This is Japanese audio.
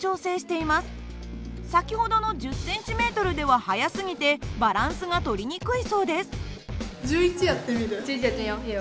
先ほどの１０ｃｍでは速すぎてバランスが取りにくいそうです。